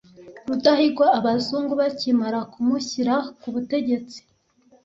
Rudahigwa Abazungu bakimara kumushyira ku butegetsi